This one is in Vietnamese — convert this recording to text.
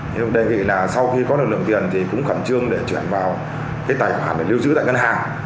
nhưng đề nghị là sau khi có được lượng tiền thì cũng khẩn trương để chuyển vào cái tài khoản để lưu giữ tại ngân hàng